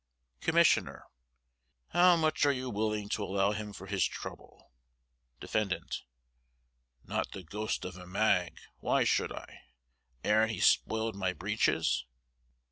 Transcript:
Commissioner: How much are you willing to allow him for his trouble? Defendant: Not the ghost of a mag; why should I? ar'n' he spoiled my breeches?